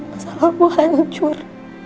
masa lalu hancur